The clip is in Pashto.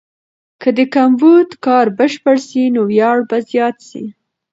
که د ګمبد کار بشپړ سي، نو ویاړ به زیات سي.